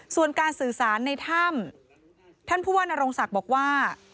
ส่วนการสื่อสารในถ้ำท่านผู้ว่านโรงศักดิ์บอกว่า